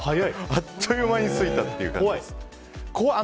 あっという間についた感じです。